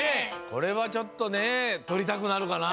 これはちょっとねとりたくなるかな。